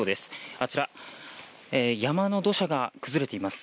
あちら、山の土砂が崩れています。